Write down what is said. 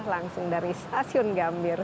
langsung dari stasiun gambir